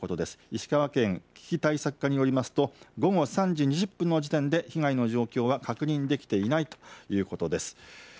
石川県危機対策課によりますと午後３時２０分の時点で被害の状況は確認できていないということです。